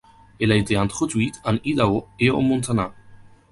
Elle a été introduite en Idaho et au Montana.